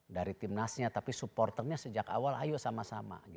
dari timnasnya tapi supporternya sejak awal ayo sama sama